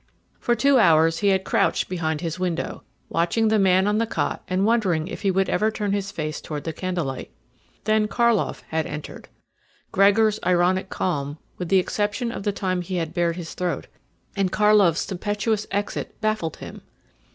For two hours he had crouched behind his window, watching the man on the cot and wondering if he would ever turn his face toward the candlelight. Then Karlov had entered. Gregor's ironic calm with the exception of the time he had bared his throat and Karlov's tempestuous exit baffled him.